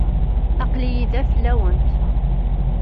Aql-iyi da fell-awent.